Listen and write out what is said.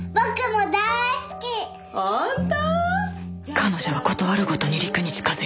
彼女は事あるごとに陸に近づいて。